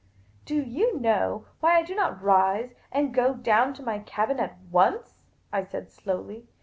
" Do you know why I do not rise and go down to my cabin at once ?" I said, slowly.